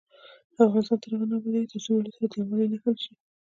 افغانستان تر هغو نه ابادیږي، ترڅو ملي سرود د یووالي نښه نشي.